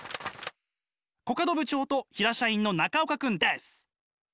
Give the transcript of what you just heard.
コカド部長と平社員の中岡くんです！